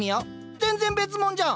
全然別もんじゃん。